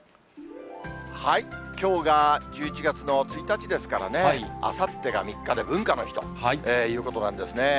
きょうが１１月の１日ですからね、あさってが３日で文化の日ということなんですね。